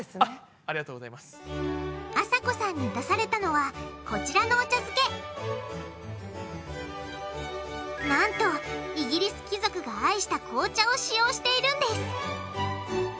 あさこさんに出されたのはこちらのお茶漬けなんとイギリス貴族が愛した紅茶を使用しているんです